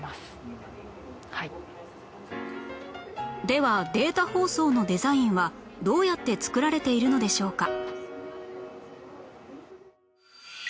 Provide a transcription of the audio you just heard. ではデータ放送のデザインはどうやって作られているのでしょうか？